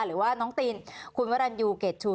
หรือว่าน้องตีนคุณวรรณยูเกรดชู